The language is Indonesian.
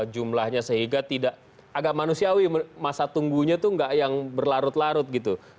jumlahnya sehingga tidak agak manusiawi masa tunggunya itu nggak yang berlarut larut gitu